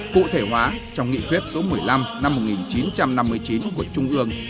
cụ thể hóa trong nghị quyết số một mươi năm năm một nghìn chín trăm năm mươi chín của trung ương